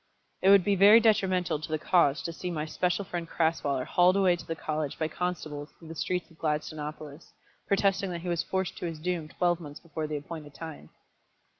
It would be very detrimental to the cause to see my special friend Crasweller hauled away to the college by constables through the streets of Gladstonopolis, protesting that he was forced to his doom twelve months before the appointed time.